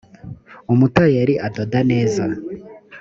umutayeri adoda neza.